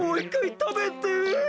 たべて！